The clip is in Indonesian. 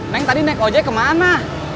neng tadi naik ojek kemana